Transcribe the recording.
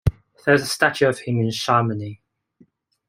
There is a statue of him in Chamonix.